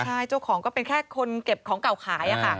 ใช่เจ้าของก็เป็นแค่คนเก็บของเก่าขายค่ะ